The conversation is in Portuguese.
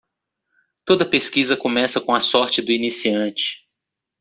Toda pesquisa começa com a sorte do iniciante.